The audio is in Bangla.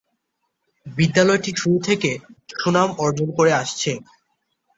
বিদ্যালয়টি শুরু থেকে সুনাম অর্জন করে আসছে।